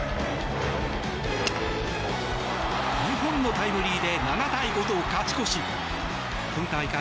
２本のタイムリーで７対５と勝ち越し今大会